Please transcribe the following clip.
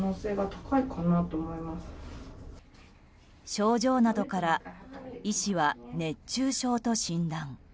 症状などから医師は熱中症と診断。